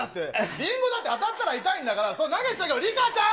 リンゴだって当たったら痛いんだから、投げちゃ、りかちゃん！